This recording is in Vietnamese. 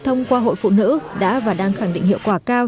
thông qua hội phụ nữ đã và đang khẳng định hiệu quả cao